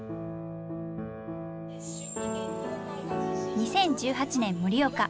２０１８年盛岡。